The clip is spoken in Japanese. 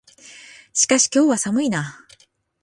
しかし、今日は寒いな。